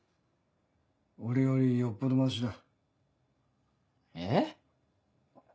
俺よりよっぽどマシだ。え？